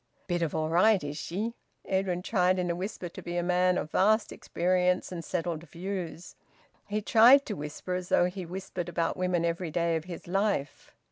"Bit of all right, is she?" Edwin tried in a whisper to be a man of vast experience and settled views. He tried to whisper as though he whispered about women every day of his life.